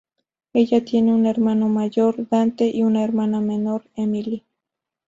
Ella tiene un hermano mayor, Dante y una hermana mayor, Emily.